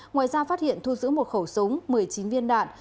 ngoài ra phát hiện thu giữ một khẩu súng một mươi chín viên đạn